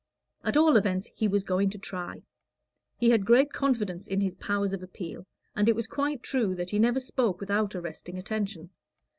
At all events, he was going to try: he had great confidence in his powers of appeal, and it was quite true that he never spoke without arresting attention.